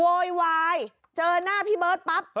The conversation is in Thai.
โวยวายเจอหน้าพี่เบิร์ตปั๊บ